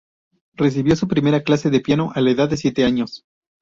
Recibió su primera clase de piano a la edad de siete años.